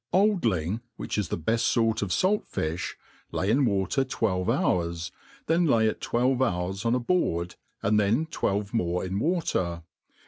OLD ling, which is the beft fort of falt filh, lay in water \fRt\vz hours, then lay it twelve dours on a boardi, and then fwelve more 'in water.